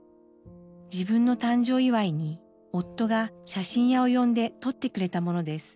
自分の誕生祝に夫が写真屋を呼んで撮ってくれたものです。